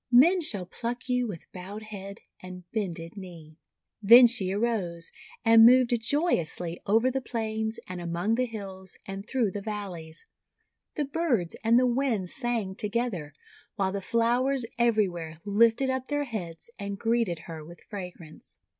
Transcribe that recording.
Men shall pluck you with bowed head and bended knee." Then she arose, and moved joyously over the plains, and among the hills, and through the val leys. The birds and the winds sang together, while the flowers everywhere lifted up their heads and greeted her with fragrance.